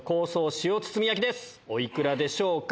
お幾らでしょうか？